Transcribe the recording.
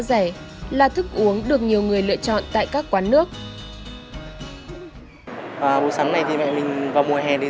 dẻ là thức uống được nhiều người lựa chọn tại các quán nước bột sắn này thì mẹ mình vào mùa hè thì